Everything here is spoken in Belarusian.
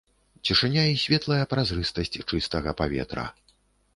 Цішыня і светлая празрыстасць чыстага паветра.